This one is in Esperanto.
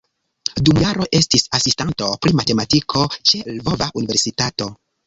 Dum jaro estis asistanto pri matematiko ĉe Lvova Universitato.